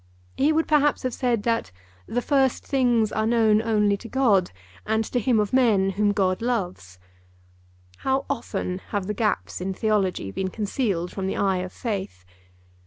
He would, perhaps, have said that 'the first things are known only to God and to him of men whom God loves.' How often have the gaps in Theology been concealed from the eye of faith!